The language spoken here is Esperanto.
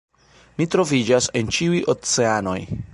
"Mi troviĝas en ĉiuj oceanoj!"